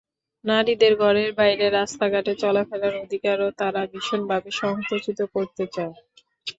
নারীদের ঘরের বাইরে রাস্তাঘাটে চলাফেরার অধিকারও তারা ভীষণভাবে সংকুচিত করতে চায়।